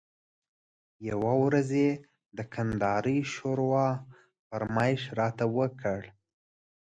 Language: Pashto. یوه ورځ یې د کندارۍ ښوروا فرمایش راته وکړ.